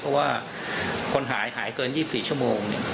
เพราะว่าคนหายหายเกิน๒๔ชั่วโมง